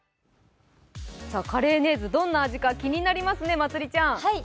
カレーネーズどんな味か気になりますね、まつりちゃん。